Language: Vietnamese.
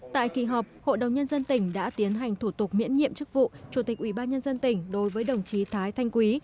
tại kỳ họp hội đồng nhân dân tỉnh đã tiến hành thủ tục miễn nhiệm chức vụ chủ tịch ubnd tỉnh đối với đồng chí thái thanh quý